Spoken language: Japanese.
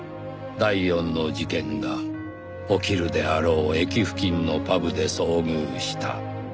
第四の事件が起きるであろう駅付近のパブで遭遇した」